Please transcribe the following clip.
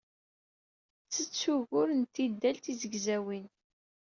Ttett ugar n tidal tizegzawin.